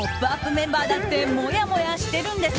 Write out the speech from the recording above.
メンバーだってもやもやしてるんです！